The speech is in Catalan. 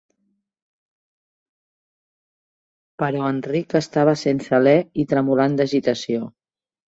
Però Enric estava sense alè i tremolant d'agitació.